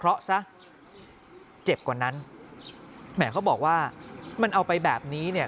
เพราะซะเจ็บกว่านั้นแหมเขาบอกว่ามันเอาไปแบบนี้เนี่ย